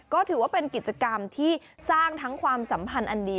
ก็ถือว่าเป็นกิจกรรมที่สร้างทั้งความสัมพันธ์อันดี